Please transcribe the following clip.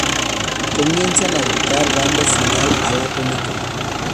Comienzan a gritar, dando final a la película.